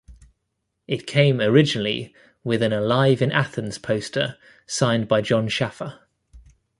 It came originally with an Alive in Athens poster signed by Jon Schaffer.